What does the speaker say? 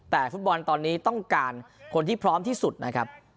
แต่ฟุตบอลตอนนี้ต้องการคนที่พร้อมที่สุดนะครับ